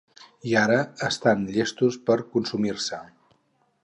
I ara estan llestos per consumir-se.